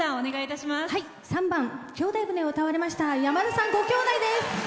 ３番「兄弟船」を歌われましたやまださん兄弟です。